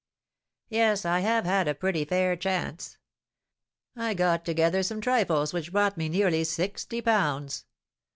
"Yes, I have had a pretty fair chance. I got together some trifles which brought me nearly sixty pounds.